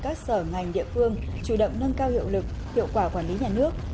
các sở ngành địa phương chủ động nâng cao hiệu lực hiệu quả quản lý nhà nước